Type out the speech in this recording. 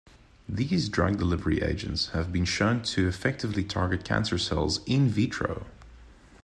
These drug delivery agents have been shown to effectively target cancer cells "in vitro".